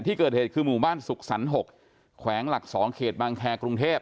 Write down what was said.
ที่เกิดเหตุคือหมู่บ้านสุขสรรค์๖แขวงหลัก๒เขตบางแครกรุงเทพ